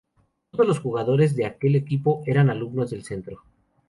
Todos los jugadores de aquel equipo eran alumnos del centro.